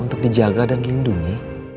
untuk dijaga dan dilindungi